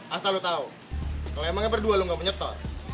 asal lu tahu kalau emangnya berdua lu gak menyetor